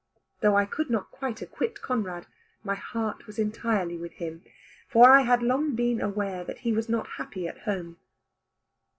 Though I could not quite acquit Conrad, my heart was entirely with him, for I had long been aware that he was not happy at home.